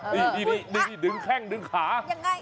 นี่ดึงแข้งดึงขา